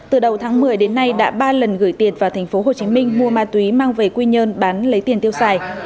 từ đầu tháng một mươi đến nay đã ba lần gửi tiền vào tp hồ chí minh mua ma túy mang về quy nhơn bán lấy tiền tiêu xài